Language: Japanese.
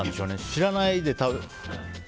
知らないで食べて。